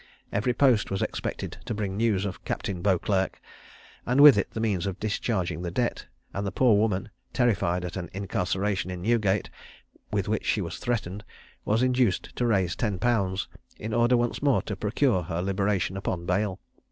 Every post was expected to bring news of Captain Beauclerc, and with it the means of discharging the debt; and the poor woman, terrified at an incarceration in Newgate, with which she was threatened, was induced to raise ten pounds, in order once more to procure her liberation upon bail.